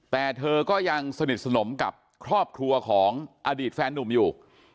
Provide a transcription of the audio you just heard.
แต่เธอก็ยังสนิทสนมกับครอบครัวของอดีตแฟนนุ่มอยู่